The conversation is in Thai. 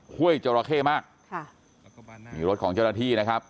ห้วยจราเข้มากค่ะนี่รถของเจ้าหน้าที่นะครับ